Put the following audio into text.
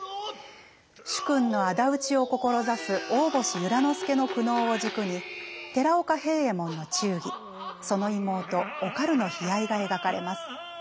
主君の仇討を志す大星由良之助の苦悩を軸に寺岡平右衛門の忠義その妹おかるの悲哀が描かれます。